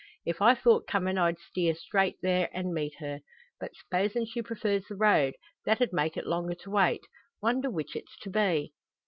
If I thought comin' I'd steer straight there an' meet her. But s'posin' she prefers the road, that 'ud make it longer to wait. Wonder which it's to be."